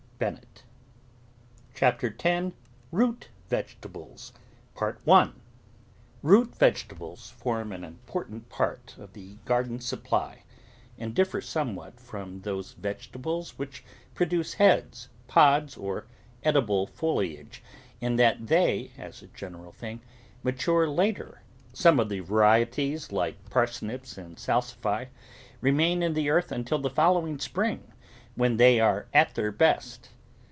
CHAPTER TEN ROOT VEGETABLES IXOOT vegetables form an important part of the garden's supply, and differ somewhat from those vegetables which produce heads, pods, or edible foliage in that they, as a general thing, mature later, some of the varieties, like parsnips and sal sify, remaining in the earth until the following spring, when they are at their best.